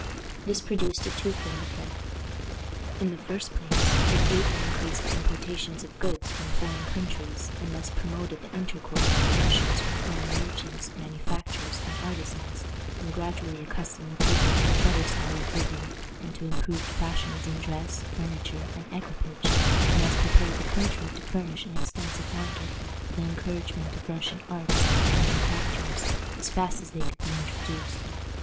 This produced a two fold effect. In the first place, it greatly increased the importations of goods from foreign countries, and thus promoted the intercourse of the Russians with foreign merchants, manufacturers, and artisans, and gradually accustomed the people to a better style of living, and to improved fashions in dress, furniture, and equipage, and thus prepared the country to furnish an extensive market for the encouragement of Russian arts and manufactures as fast as they could be introduced.